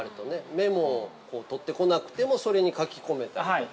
メモを取ってこなくてもそれに書き込めたりとか。